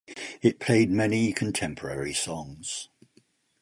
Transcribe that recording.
It played many contemporary songs.